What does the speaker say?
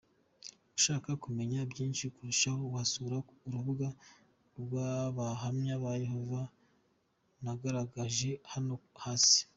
Ushaka kumenya byinshi kurushaho, wasura urubuga rw’abahamya ba yehova nagaragaje hano hasi:.